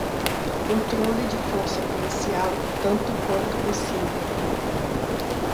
Controle de força policial, tanto quanto possível